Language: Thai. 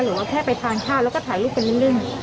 หรือว่าแค่ไปทางชาติแล้วก็ถ่ายรูปเป็นเรื่อง